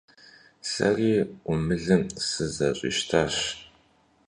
Сэри Ӏумылым сызэщӀищтащ.